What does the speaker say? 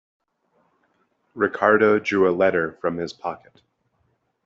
Ricardo drew a letter from his pocket.